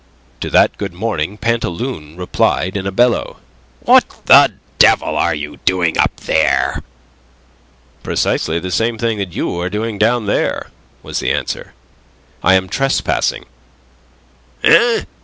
To that good morning Pantaloon replied in a bellow: "What the devil are you doing up there?" "Precisely the same thing that you are doing down there," was the answer. "I am trespassing." "Eh?"